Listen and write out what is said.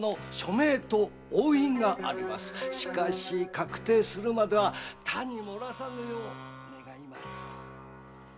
しかし確定するまでは他に漏らさぬよう願います。